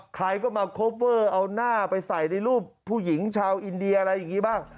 ใครก็มาโคเวอร์เอาหน้าไปใส่ในรูปผู้หญิงชาวอินเดียอะไรอย่างนี้บ้าง